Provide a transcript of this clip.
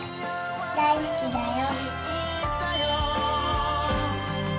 大好きだよ」。